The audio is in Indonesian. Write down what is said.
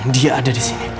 dia ada disini